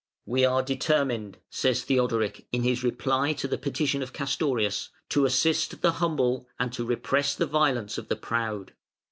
"We are determined", says Theodoric, in his reply to the petition of Castorius, "to assist the humble and to repress the violence of the proud.